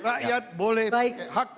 rakyat boleh hak pakaian